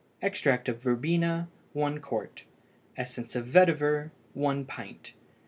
Extract of verbena 1 qt. Essence of vetiver 1 pint.